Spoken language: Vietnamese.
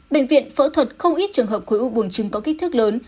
bệnh viện phẫu thuật không ít trường hợp khối ưu buồng trứng có kích thước lớn